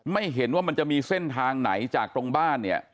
ไม่เห็นว่ามันจะมีเส้นทางไหนจากตรงบ้านเนี่ย